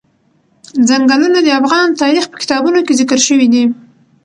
ځنګلونه د افغان تاریخ په کتابونو کې ذکر شوی دي.